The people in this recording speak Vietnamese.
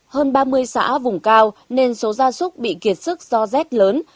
hơn ba mươi xã vùng cao nên số gia súc bị kiệt sức do rét lớn